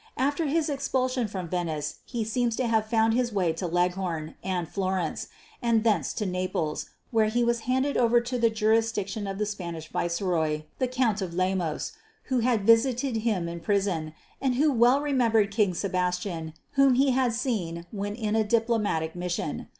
After his expulsion from Venice he seems to have found his way to Leghorn and Florence, and thence on to Naples, where he was handed over to the jurisdiction of the Spanish Viceroy, the Count of Lemos, who had visited him in prison, and who well remembered King Sebastian whom he had seen when in a diplomatic mission.